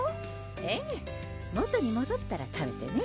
ええ元にもどったら食べてね